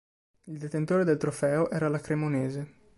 Il detentore del trofeo era la Cremonese.